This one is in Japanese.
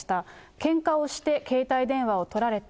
けんかをして、携帯電話を取られた。